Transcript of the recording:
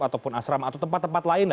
ataupun asrama atau tempat tempat lain